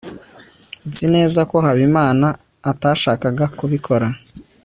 nzi neza ko habimana atashakaga kubikora